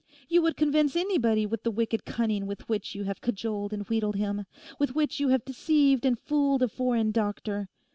You would convince anybody with the wicked cunning with which you have cajoled and wheedled him, with which you have deceived and fooled a foreign doctor.